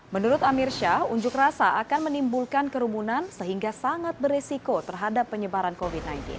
menurut amir syah unjuk rasa akan menimbulkan kerumunan sehingga sangat beresiko terhadap penyebaran covid sembilan belas